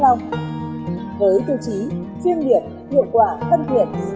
với tổ chí chuyên nghiệp hiệu quả phân thiện